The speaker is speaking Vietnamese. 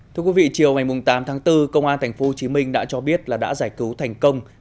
thưa quý vị chiều ngày tám tháng bốn công an tp hcm đã cho biết là đã giải cứu thành công